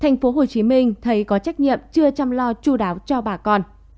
thành phố hồ chí minh thấy có trách nhiệm chưa chăm lo chú đáo cho bà con